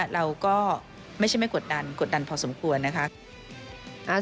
เราก็ไม่ใช่ไม่กดดันกดดันพอสมควรนะคะ